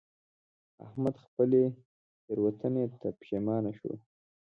احمد خپلې تېروتنې ته پښېمانه شو.